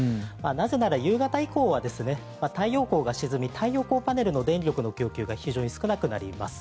なぜなら夕方以降は太陽光が沈み太陽光パネルの電力の供給が非常に少なくなります。